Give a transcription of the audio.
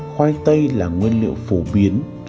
khoai tây là nguyên liệu phổ biến